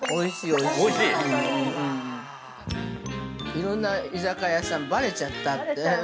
◆いろんな居酒屋さん、バレちゃったって。